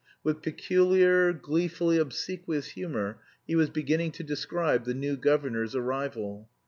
With peculiar, gleefully obsequious humour, he was beginning to describe the new governor's arrival.